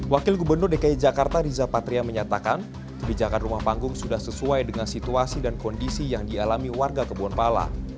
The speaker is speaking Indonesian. wakil gubernur dki jakarta riza patria menyatakan kebijakan rumah panggung sudah sesuai dengan situasi dan kondisi yang dialami warga kebun pala